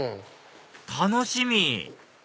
楽しみ！